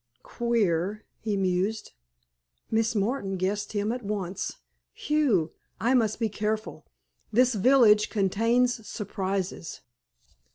"Queer!" he mused. "Miss Doris guessed him at once. Phi ew, I must be careful! This village contains surprises."